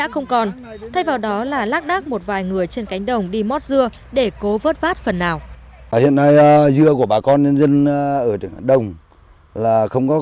không còn thay vào đó là lác đác một vài người trên cánh đồng đi mót dưa để cố vớt vát phần nào